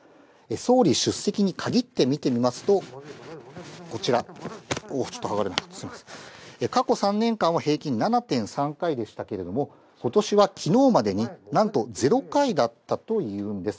総理出席に限って見てみますと、こちら、過去３年間は平均７．３回でしたけれども、ことしはきのうまでに、なんと０回だったというんです。